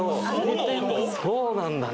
そうなんだね